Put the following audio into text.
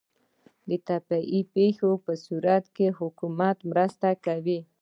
د طبیعي پیښو په صورت کې حکومت مرسته کوي؟